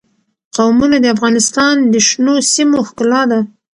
قومونه د افغانستان د شنو سیمو ښکلا ده.